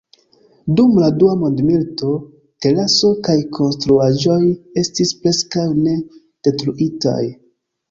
Dum la Dua Mondmilito, teraso kaj konstruaĵoj estis preskaŭ ne detruitaj.